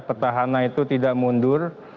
petahana itu tidak mundur